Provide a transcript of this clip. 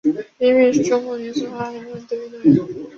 李敏是一名中国女子花样游泳运动员。